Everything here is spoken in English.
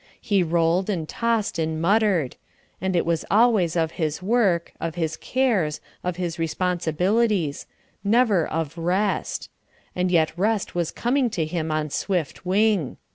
He rolled and tossed and muttered; and it was always of his work, of his cares, of his responsibilities never of rest; and yet rest was coming to him on swift wing.